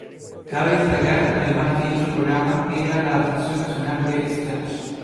Cabe destacar además que dicho programa era la adaptación nacional de "Splash!".